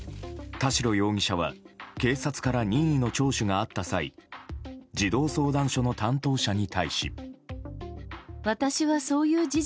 田代容疑者は警察から任意の聴取があった際児童相談所の担当者に対し。